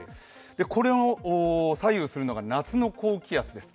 これを左右するのが夏の高気圧です。